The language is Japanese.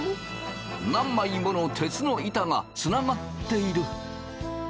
何枚もの鉄の板がつながっている。